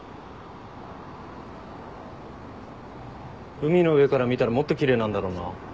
海の上から見たらもっと奇麗なんだろうな。